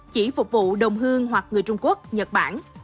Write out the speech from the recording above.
chỉ phục vụ đồng hương hoặc người trung quốc nhật bản